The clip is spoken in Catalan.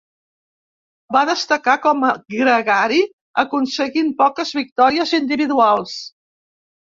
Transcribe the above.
Va destacar com a gregari aconseguint poques victòries individuals.